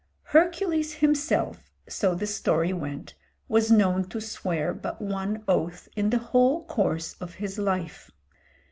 " Hercules himself, so the story went, was known to swear but one oath in the whole course of his life.